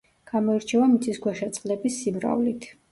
გამოირჩევა მიწისქვეშა წყლების სიმრავლით.